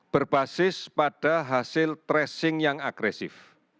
berbasis pada hasil tracing yang agresif